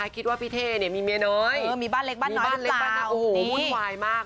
ถ้าคุณคิดว่าพี่เท๊มีเมียน้อยมีบ้านเล็กบ้านน้อยหรือเปล่าโอ้โหมุ่นวายมาก